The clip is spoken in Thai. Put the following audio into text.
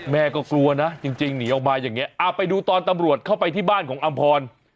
แม่ก็กลัวนะจริงหนีออกมาอย่างนี้ไปดูตอนตำรวจเข้าไปที่บ้านของอำพร